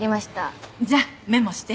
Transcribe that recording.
じゃメモして。